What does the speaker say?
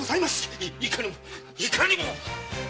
いかにもいかにも！